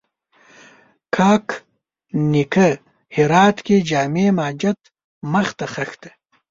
کاک نیکه هرات کښې جامع ماجت مخ ته ښخ دی